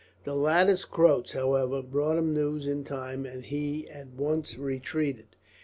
The latter's Croats, however, brought him news in time, and he at once retreated.